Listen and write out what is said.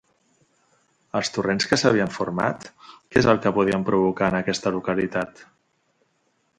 Els torrents que s'havien format, què és el que podien provocar en aquesta localitat?